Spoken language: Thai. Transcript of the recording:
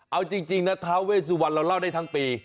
เอาจริงนะท้าเวสุวรรณเราเล่าได้ทั้งปี